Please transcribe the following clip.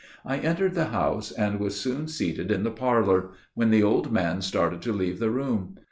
I entered the house, and was soon seated in the parlor, when the old man started to leave the room.